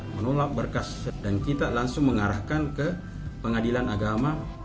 menolak berkas dan kita langsung mengarahkan ke pengadilan agama